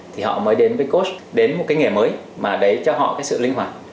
thì họ mới đến với course đến một cái nghề mới mà đấy cho họ cái sự linh hoạt